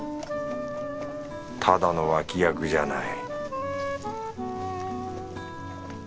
ただの脇役じゃない